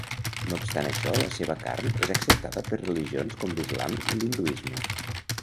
No obstant això la seva carn és acceptada per religions com l'Islam i l'hinduisme.